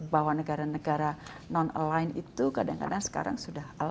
bahwa negara negara non aligned itu kadang kadang sekarang sudah aligned